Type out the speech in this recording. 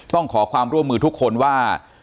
ต้องขอความร่วมมือทุกคนว่า